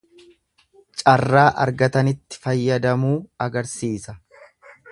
Carraa argatanitti fayyadamuu agarsiisa.